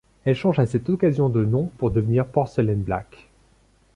Elle change à cette occasion de nom pour devenir Porcelain Black.